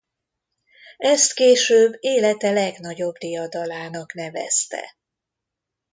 Ezt később élete legnagyobb diadalának nevezte.